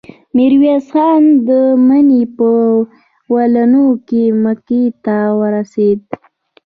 ميرويس خان د مني په اولو کې مکې ته ورسېد.